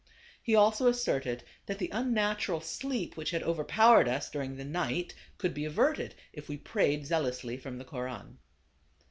He also asserted that the unnatural sleep which had over powered us during the night, could be averted if we prayed zealously from the Koran.